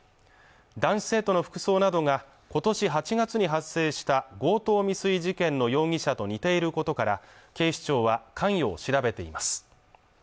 男子生徒の服装などがことし８月に発生した強盗未遂事件の容疑者と似ていることから警視庁は関与を調べています